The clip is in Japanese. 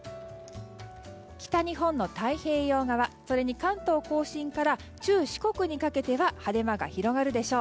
北日本の太平洋側それに関東・甲信から中・四国にかけては晴れ間が広がるでしょう。